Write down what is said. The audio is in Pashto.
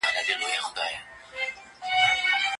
موږ بايد يو بل ته لارښوونه وکړو.